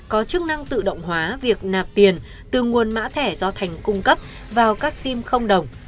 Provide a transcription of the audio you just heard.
có chức năng tự động hóa việc nạp tiền từ nguồn mã thẻ do thành cung cấp vào các sim không đồng